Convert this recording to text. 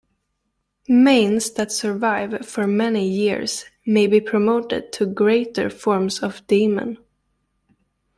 Manes that survive for many years may be promoted to greater forms of demon.